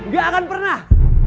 gak akan pernah